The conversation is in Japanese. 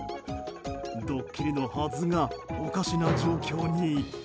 ドッキリのはずがおかしな状況に。